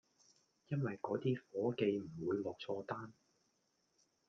因為嗰啲伙計唔會落錯單